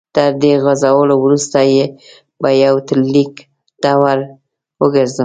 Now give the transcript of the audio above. تر دې غزلو وروسته به یونلیک ته ور وګرځم.